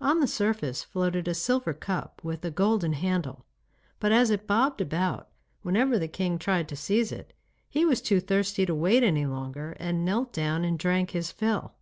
On the surface floated a silver cup with a golden handle, but as it bobbed about whenever the king tried to seize it, he was too thirsty to wait any longer and knelt down and drank his fill.